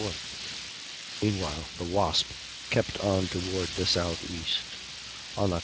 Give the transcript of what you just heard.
4th. Meanwhile the Wasp kept on toward the southeast. On Oct.